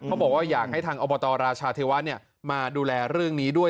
บอกว่าอยากให้ทางอบตราชาเทวะมาดูแลเรื่องนี้ด้วย